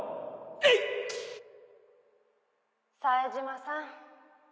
冴島さん。